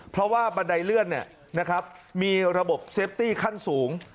เพราะว่าบันไดเลื่อนมีระบบเซฟตี้ขั้นสูง